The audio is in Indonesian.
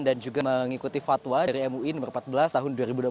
dan juga mengikuti fatwa dari mui no empat belas tahun dua ribu dua puluh